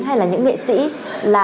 hay là những nghệ sĩ là